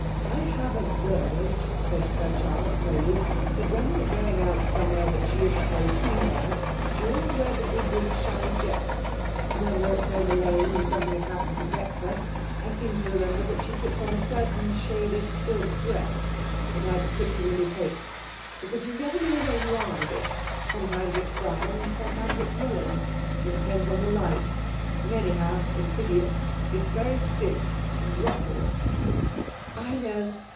'I have observed,' said Sir Charles slowly, 'that when we're going out somewhere that she isn't very keen about she always wears a good deal of shiny jet, and when we're at home alone and something has happened to vex her I seem to remember that she puts on a certain shaded silk dress that I particularly hate because you never know where you are with it, sometimes it's brown and sometimes it's yellow. It depends on the light, and anyhow it's hideous; it's very stiff, and rustles.' 'I know.